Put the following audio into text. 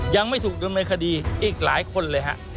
ยังไม่ถูกโดนเมืองคดีอีกหลายคนเลยครับ